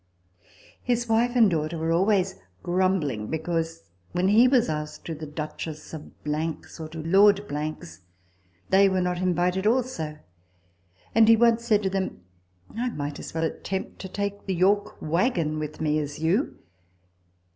His wife and daughter were always grumbling, because, when he was asked to the Duchess of 's or to Lord 's they were not invited also ; and he once said to them, " I might as well attempt to take the York waggon with me as you."